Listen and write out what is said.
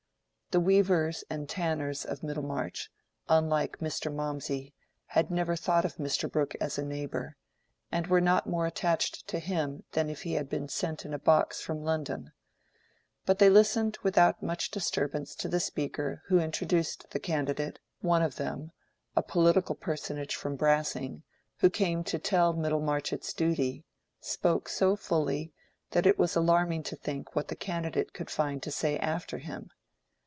The weavers and tanners of Middlemarch, unlike Mr. Mawmsey, had never thought of Mr. Brooke as a neighbor, and were not more attached to him than if he had been sent in a box from London. But they listened without much disturbance to the speakers who introduced the candidate, one of them—a political personage from Brassing, who came to tell Middlemarch its duty—spoke so fully, that it was alarming to think what the candidate could find to say after him.